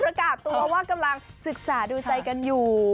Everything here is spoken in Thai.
ประกาศตัวว่ากำลังศึกษาดูใจกันอยู่